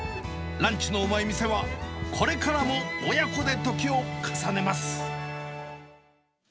ランチのうまい店は、これからも親子で時を重ねます。